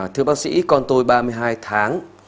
thưa bác sĩ con tôi ba mươi hai tháng